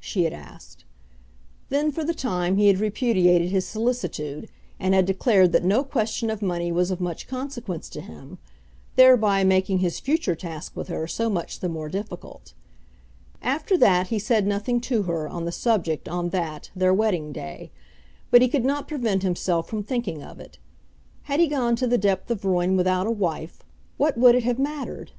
she had asked. Then for the time he had repudiated his solicitude, and had declared that no question of money was of much consequence to him, thereby making his future task with her so much the more difficult. After that he said nothing to her on the subject on that their wedding day, but he could not prevent himself from thinking of it. Had he gone to the depth of ruin without a wife, what would it have mattered?